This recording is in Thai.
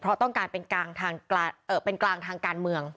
เพราะต้องการเป็นกลางทางการเมือง